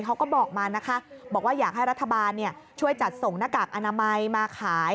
เขาก็บอกมานะคะบอกว่าอยากให้รัฐบาลช่วยจัดส่งหน้ากากอนามัยมาขาย